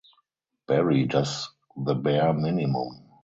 Barry does the bare minimum.